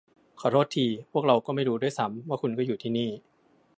ขอโทษที พวกเราไม่รู้ด้วยซ้ำว่าคุณก็อยู่ที่นี่